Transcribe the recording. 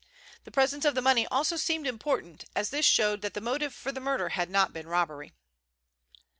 The presence of the money also seemed important, as this showed that the motive for the murder had not been robbery.